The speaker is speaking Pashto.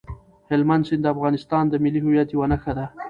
هلمند سیند د افغانستان د ملي هویت یوه نښه ده.